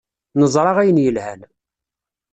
Neẓra ayen yelhan.